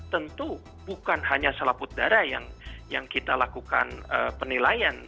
tentu bukan hanya selaput darah yang kita lakukan penilaian